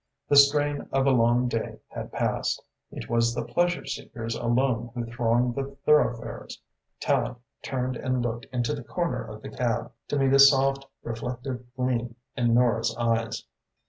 The strain of a long day had passed. It was the pleasure seekers alone who thronged the thoroughfares. Tallente turned and looked into the corner of the cab, to meet a soft, reflective gleam in Nora's eyes.